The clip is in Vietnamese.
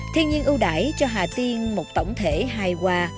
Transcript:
thiên nhiên ưu đại cho hà tiên một tổng thể hài hòa